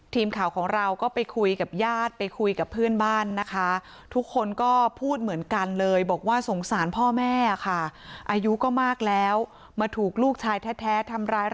ทีมข่าวของเราก็ไปคุยกับญาติไปคุยกับเพื่อนบ้านนะคะทุกคนก็พูดเหมือนกันเลยบอกว่าสงสารพ่อแม่อ่ะครับอายุก็มากแล้วมาถูกลูกชายแท้ทำร้ายแล้วอ่ะ